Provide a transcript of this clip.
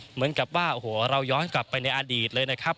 เหมือนกับว่าโอ้โหเราย้อนกลับไปในอดีตเลยนะครับ